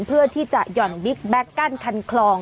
เพื่อยอดบิ๊กแบกกั้นคันคลอง